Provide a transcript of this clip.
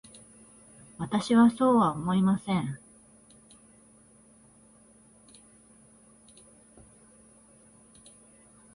私はそうは思いません。